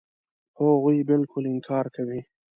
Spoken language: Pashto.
هغوی بالکل انکار کوي.